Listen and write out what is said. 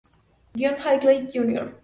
John Hinckley Jr.